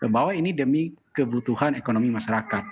bahwa ini demi kebutuhan ekonomi masyarakat